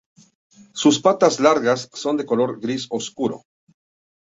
Su patas largas son de color gris oscuro.